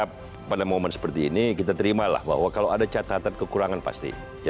karena pada momen seperti ini kita terimalah bahwa kalau ada catatan kekurangan pasti